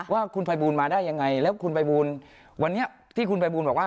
ว่าคุณภัยบูลมาได้ยังไงแล้วคุณภัยบูลวันนี้ที่คุณภัยบูลบอกว่า